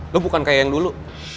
lo bukan kayak yang dulu